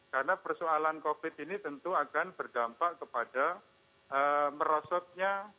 karena persoalan covid sembilan belas ini tentu akan berdampak kepada merosotnya